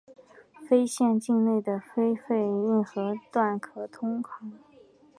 丰县境内的丰沛运河段可通航。